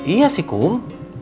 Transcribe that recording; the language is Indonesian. iya sih kum